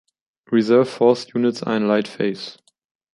Reserve Force units are in light face.